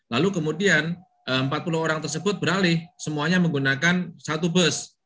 lalu kemudian empat puluh orang tersebut beralih semuanya menggunakan satu bus